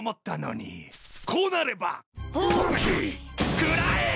食らえ！